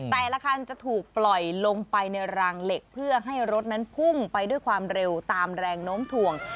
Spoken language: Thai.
แต่ละคันจะถูกปล่อยลงไปในรางเหล็กเพื่อให้รถนั้นพุ่งไปด้วยความเร็วตามแรงโน้มถ่วง